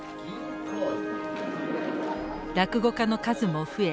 落語家の数も増え